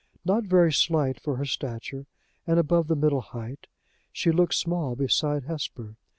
Not very slight for her stature, and above the middle height, she looked small beside Hesper.